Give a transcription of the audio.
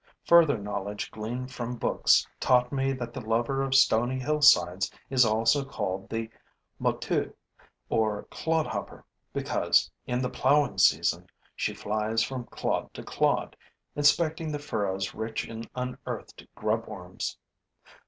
Further knowledge gleaned from books taught me that the lover of stony hillsides is also called the Motteux, or clodhopper, because, in the plowing season, she flies from clod to clod, inspecting the furrows rich in unearthed grubworms.